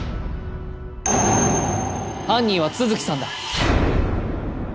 犯人は都築さんだ。